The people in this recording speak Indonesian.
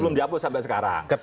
belum dihapus sampai sekarang